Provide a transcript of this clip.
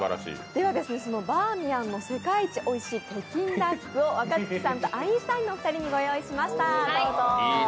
では、バーミヤンの世界一おいしい北京ダックを若槻さんとアインシュタインのお二人にご用意しました。